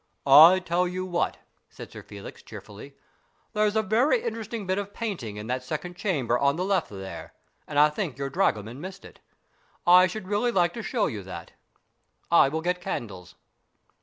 " I tell you what," said Sir Felix, cheerfully ;" there's a very interesting bit of painting in that second chamber on the left there, and I think your dragoman missed it. I should really like to show you that. I will get candles."